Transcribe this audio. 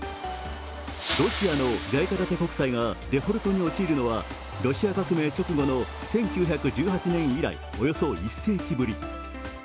ロシアの外貨建て国債がデフォルトに陥るのはロシア革命直後の１９１８年以来およそ１世紀ぶり。